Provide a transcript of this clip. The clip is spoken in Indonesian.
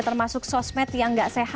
terima kasih merk wuker